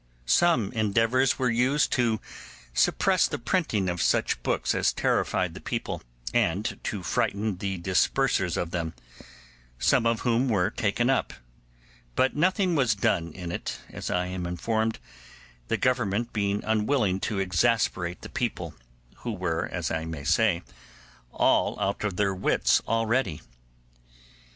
Some endeavours were used to suppress the printing of such books as terrified the people, and to frighten the dispersers of them, some of whom were taken up; but nothing was done in it, as I am informed, the Government being unwilling to exasperate the people, who were, as I may say, all out of their wits already.